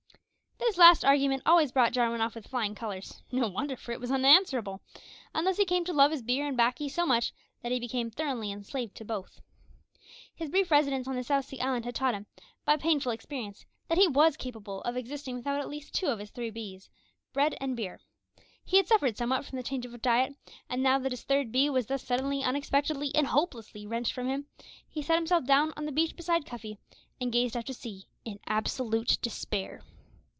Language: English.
This last argument always brought Jarwin off with flying colours no wonder, for it was unanswerable; and thus he came to love his beer and baccy so much that he became thoroughly enslaved to both. His brief residence on the south sea island had taught him, by painful experience, that he was capable of existing without at least two of his three B's bread and beer. He had suffered somewhat from the change of diet; and now that his third B was thus suddenly, unexpectedly, and hopelessly wrenched from him, he sat himself down on the beach beside Cuffy, and gazed out to sea in absolute despair.